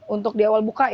untuk di awal buka ya